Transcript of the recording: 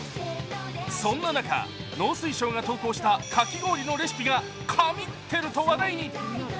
そんな中、農水省が投稿したかき氷のレシピが神ってると話題に。